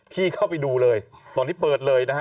เข้าไปดูเลยตอนนี้เปิดเลยนะฮะ